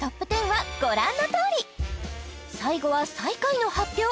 ＴＯＰ１０はご覧のとおり最後は最下位の発表